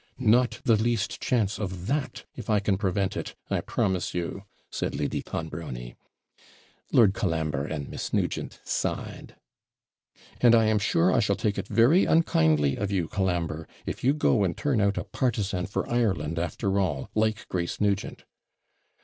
'Not the least chance of that, if I can prevent it, I promise you,' said Lady Clonbrony. Lord Colambre and Miss Nugent sighed. 'And I am sure I shall take it very unkindly of you, Colambre, if you go and turn out a partisan for Ireland, after all, like Grace Nugent.'